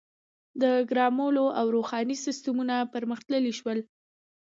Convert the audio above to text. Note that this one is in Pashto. • د ګرمولو او روښنایۍ سیستمونه پرمختللي شول.